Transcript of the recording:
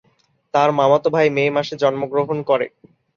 তার মামাতো ভাই মে মাসে জন্মগ্রহণ করে।